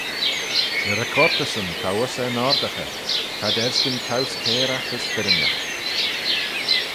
Ny recortyssyn t'ou uss er n'oardaghey: t'ad erskyn-towse cairagh as firrinagh.